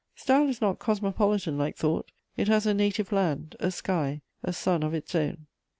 Style is not cosmopolitan like thought: it has a native land, a sky, a sun of its own.